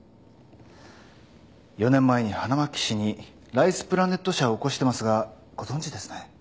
４年前に花巻市にライスプラネット社を起こしてますがご存じですね？